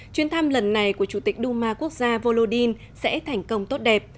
chuyến thăm lần này của chủ tịch duma quốc gia volodin sẽ thành công tốt đẹp